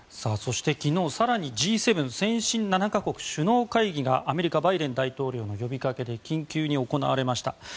昨日、更にＧ７・先進７か国首脳会議がアメリカ、バイデン大統領の呼びかけで緊急で行われました。